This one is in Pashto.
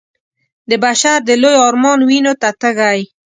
د بشر د لوی ارمان وينو ته تږی